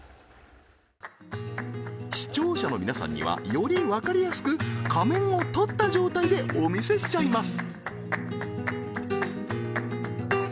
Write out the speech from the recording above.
視聴者の皆さんにはよりわかりやすく仮面を取った状態でお見せしちゃいます